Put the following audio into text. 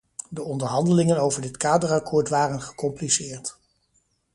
De onderhandelingen over dit kaderakkoord waren gecompliceerd.